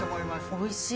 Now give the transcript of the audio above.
おいしい。